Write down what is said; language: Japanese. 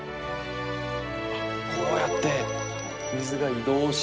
「こうやって水が移動して」